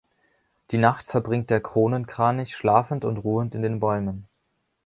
Die Nacht verbringt der Kronenkranich schlafend und ruhend in den Bäumen.